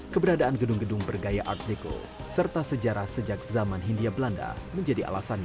keberadaan gedung gedung bergaya art deco serta sejarah sejak zaman hindia belanda menjadi alasannya